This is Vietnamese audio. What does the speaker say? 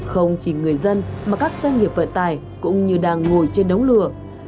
không chỉ người dân mà các doanh nghiệp vận tải cũng như đang ngồi trên đống lửa